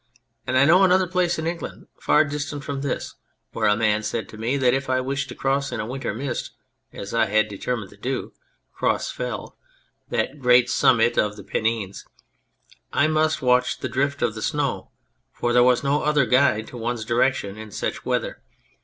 And I know another place in England, far distant from this, where a man said to me that if I wished to cross in a winter mist, as I had deter mined to do, Cross Fell, that great summit of the Pennines, I must watch the drift of the snow, for there was no other guide to one's direction in such weather.